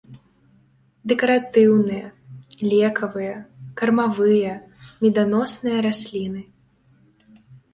Дэкаратыўныя, лекавыя, кармавыя, меданосныя расліны.